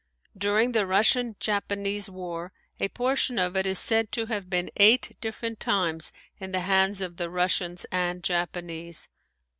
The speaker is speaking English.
During the Russian Japanese war a portion of it is said to have been eight different times in the hands of the Russians and Japanese.